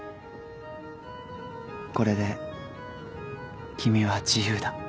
これで君は自由だ。